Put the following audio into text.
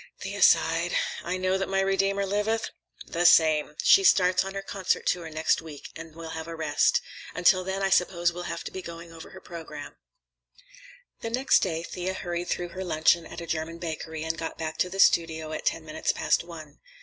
Thea sighed. "'I Know that my Redeemer Liveth'?" "The same. She starts on her concert tour next week, and we'll have a rest. Until then, I suppose we'll have to be going over her programme." The next day Thea hurried through her luncheon at a German bakery and got back to the studio at ten minutes past one.